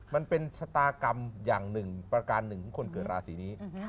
มันเป็นชะตากรรมอย่างหนึ่งประการหนึ่งของคนเกิดราศีนี้